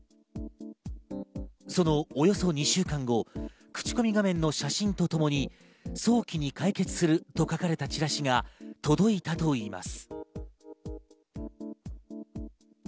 そのおよそ２週間後、口コミ画面の写真とともに早期に解決すると書かれたチラシが届いたといいます。